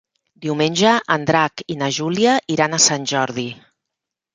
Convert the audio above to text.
Diumenge en Drac i na Júlia iran a Sant Jordi.